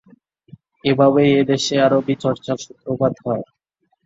এভাবেই এ দেশে আরবি চর্চার সূত্রপাত হয়।